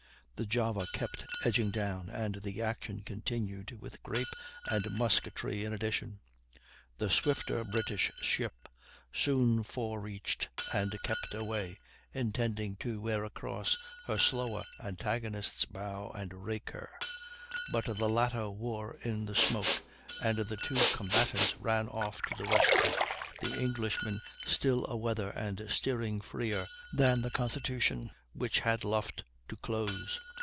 The Java kept edging down, and the action continued, with grape and musketry in addition; the swifter British ship soon forereached and kept away, intending to wear across her slower antagonist's bow and rake her; but the latter wore in the smoke, and the two combatants ran off to the westward, the Englishman still a weather and steering freer than the Constitution, which had luffed to close.